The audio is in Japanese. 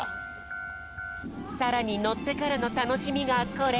さらにのってからのたのしみがこれ。